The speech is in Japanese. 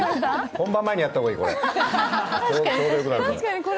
本番前にやった方がいい、これ。